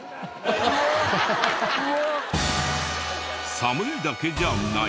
寒いだけじゃない。